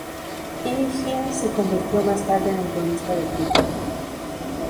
Higgins se convirtió más tarde en el guionista del título.